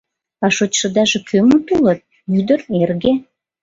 — А шочшыдаже кӧмыт улыт: ӱдыр, эрге?